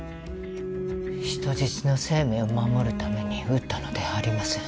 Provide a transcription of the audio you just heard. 人質の生命を守るために撃ったのではありません。